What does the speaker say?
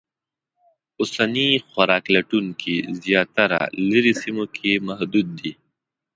اوسني خوراک لټونکي زیاتره لرې سیمو کې محدود دي.